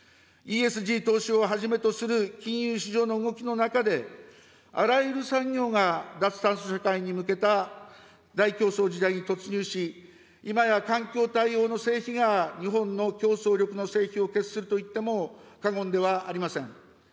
ＥＳＧ投資をはじめとする金融市場の動きの中で、あらゆる産業が脱炭素社会に向けた大競争時代に突入し、今や環境対応の成否が日本の競争力の成否を決するといっても過言ではありません。